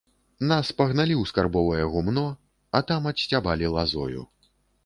Нас пагналі ў скарбовае гумно, а там адсцябалі лазою.